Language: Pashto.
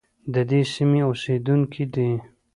د دې سیمې اوسیدونکي دي.